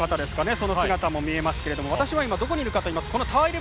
その姿も見られますけど私は、今どこにいるかというとＴＯＷＥＲ